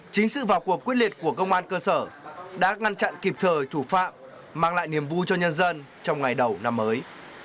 chính sự vào cuộc quyết liệt của công an cơ sở đã ngăn chặn kịp thời thủ phạm mang lại niềm vui cho nhân dân trong ngày đầu năm mới